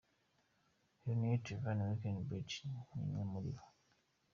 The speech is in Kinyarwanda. Hernriette Von-Irghens Bergh ni umwe muri bo.